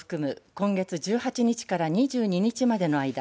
今月１８日から２２日までの間